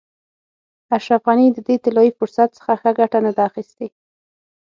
اشرف غني د دې طلایي فرصت څخه ښه ګټه نه ده اخیستې.